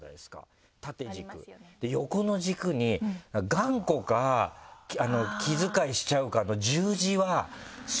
頑固か気遣いしちゃうかの十字は。